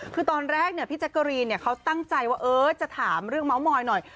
คือตอนแรกพี่แจ๊กกะรีนเขาตั้งใจว่าจะถามเรื่องเมาส์มอยหน่อย